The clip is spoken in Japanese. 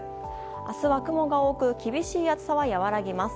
明日は雲が多く厳しい暑さは和らぎます。